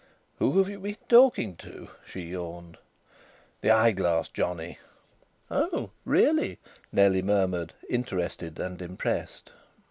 "Who have you been talking to?" she yawned. "The eyeglass johnny." "Oh! Really," Nellie murmured, interested and impressed.